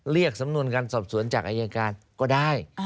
เรียกสำนวนการสอบสวนจากอายการก็ได้